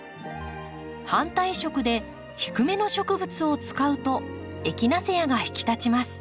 反対色で低めの植物を使うとエキナセアが引き立ちます。